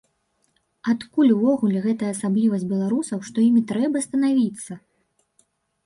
Адкуль увогуле гэтая асаблівасць беларусаў, што імі трэба станавіцца?